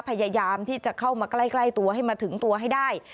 พยายามที่จะเข้ามาใกล้ตัวให้มาถึงตัวให้ได้